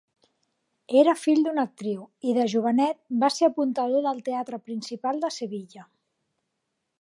Era fill d'una actriu i de jovenet va ser apuntador del Teatre Principal de Sevilla.